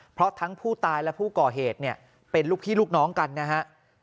เพราะทั้งผู้ตายและผู้ก่อเหตุเนี่ยเป็นลูกพี่ลูกน้องกันนะฮะ